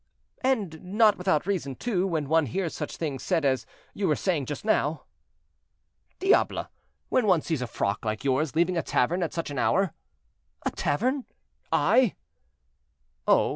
"And not without reason, too, when one hears such things said as you were saying just now." "Diable! when one sees a frock like yours leaving a tavern at such an hour—" "A tavern, I!" "Oh!